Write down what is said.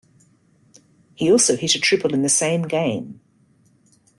He also hit a triple in the same game.